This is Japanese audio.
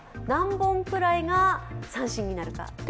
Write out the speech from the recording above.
何本くらいが三振になるか。